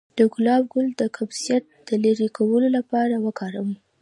د ګلاب ګل د قبضیت د لرې کولو لپاره وکاروئ